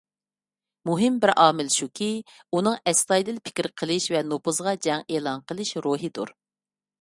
مۇھىم بىر ئامىل شۇكى، ئۇنىڭ ئەستايىدىل پىكىر قىلىش ۋە نوپۇزغا جەڭ ئېلان قىلىش روھىدۇر.